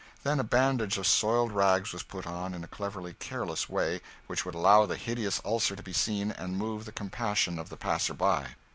Then a bandage of soiled rags was put on in a cleverly careless way which would allow the hideous ulcer to be seen, and move the compassion of the passer by.